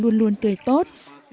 luôn luôn tuyệt tốt